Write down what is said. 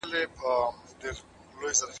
مشرانو به د هیواد د بې وزلو خلکو لاسنیوی کاوه.